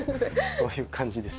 そういう感じでした。